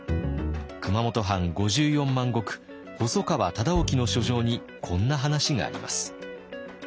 熊本藩５４万石細川忠興の書状にこんな話があります。